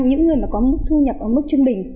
những người mà có mức thu nhập ở mức trung bình